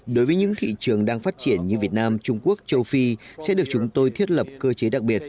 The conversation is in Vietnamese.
đối với những thị trường đang phát triển như việt nam trung quốc châu phi sẽ được chúng tôi thiết lập cơ chế đặc biệt